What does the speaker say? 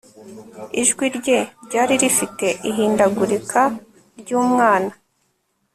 Ijwi rye ryari rifite ihindagurika ryumwana